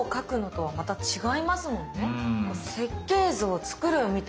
はい。